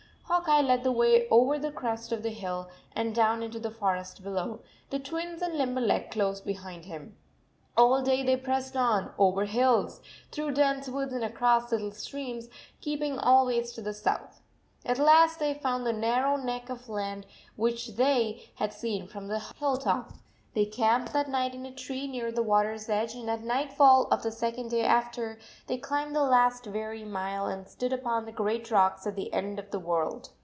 Hawk Eye led the way over the crest of the hill and down into the forest below, the Twins and Limberleg close behind him. All day they pressed on, over hills, through dense woods, and across little streams, keeping always to the south. At last they found the narrow neck of land which they 100 had seen from the hill top. They camped that night in a tree, near the water s edge, and, at night fall of the second day after, they climbed the last weary mile and stood upon the great rocks at the end of the world.